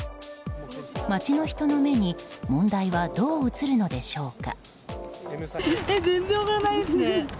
街の人の目に問題はどう映るのでしょうか？